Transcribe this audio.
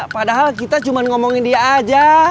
padahal kita cuma ngomongin dia aja